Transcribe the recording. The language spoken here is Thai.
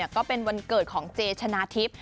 ก็เป็นวันเกิดของเจชนะทิพย์